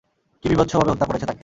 কী বিভৎসভাবে হত্যা করেছে তাকে!